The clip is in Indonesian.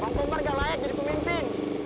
black cobra gak layak jadi pemimpin